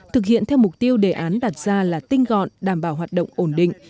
thực hiện theo mục tiêu đề án đặt ra là tinh gọn đảm bảo hoạt động ổn định